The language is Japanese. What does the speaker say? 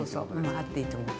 あっていいと思う。